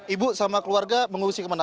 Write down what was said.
ibu sama keluarga mengungsi kemana